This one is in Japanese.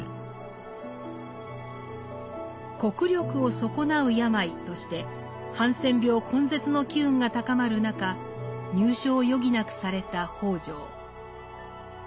国力を損なう病としてハンセン病根絶の機運が高まる中入所を余儀なくされた北條。